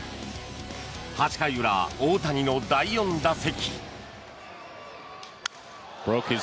８回裏、大谷の第４打席。